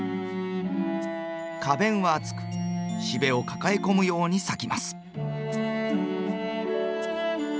花弁は厚くしべを抱え込むように咲きます。